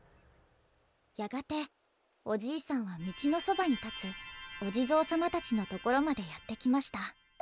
「やがておじいさんは道のそばに立つお地蔵様たちのところまでやってきました。